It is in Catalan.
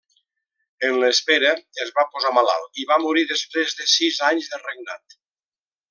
En l'espera es va posar malalt i va morir després de sis anys de regnat.